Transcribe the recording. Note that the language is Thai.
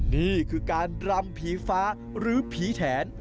นี่คือการรำผีฟ้าหรือผีแถน